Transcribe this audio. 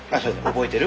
「覚えてる？